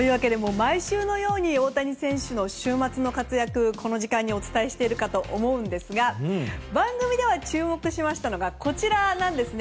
毎週のように大谷選手の週末の活躍をこの時間にお伝えしているかと思いますが番組で注目したのはこちらなんですね。